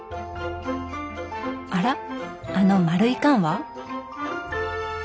あらあの丸い缶は？